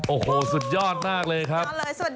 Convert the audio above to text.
โอ้โหสุดยอดมากเลยครับ